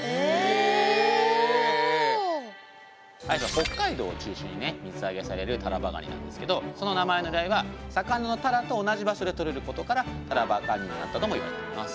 北海道を中心に水揚げされるタラバガニなんですけどその名前の由来は魚のタラと同じ場所で取れることからタラバガニになったともいわれています。